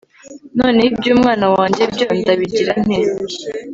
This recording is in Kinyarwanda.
noneho iby'umwana wanjye byo ndabigira nte